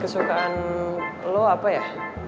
kesukaan lo apa ya